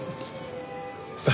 さあ。